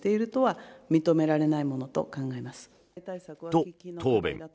と、答弁。